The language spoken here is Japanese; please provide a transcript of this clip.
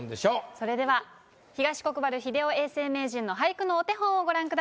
それでは東国原英夫永世名人の俳句のお手本をご覧ください。